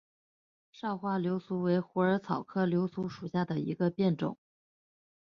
少花溲疏为虎耳草科溲疏属下的一个变种。